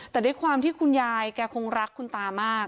แต่ด้วยความที่คุณยายแกคงรักคุณตามาก